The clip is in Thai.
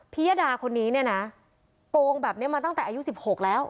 ยดาคนนี้เนี่ยนะโกงแบบนี้มาตั้งแต่อายุ๑๖แล้ว